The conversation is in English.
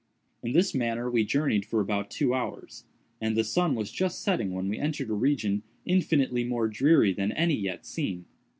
In this manner we journeyed for about two hours, and the sun was just setting when we entered a region infinitely more dreary than any yet seen.